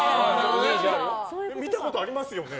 見たことありますよね？